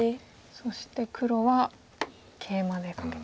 そして黒はケイマでカケてと。